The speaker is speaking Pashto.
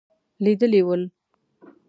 لیدلي ول.